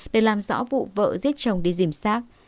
để làm rõ vụ vợ giết chồng đi dìm sát